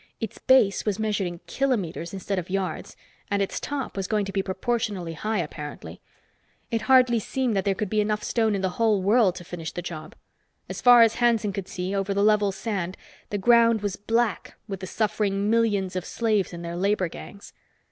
Its base was measured in kilometers instead of yards, and its top was going to be proportionally high, apparently. It hardly seemed that there could be enough stone in the whole world to finish the job. As far as Hanson could see, over the level sand, the ground was black with the suffering millions of slaves in their labor gangs.